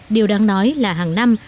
điều đáng nói là hàng năm